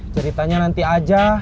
ceritanya nanti aja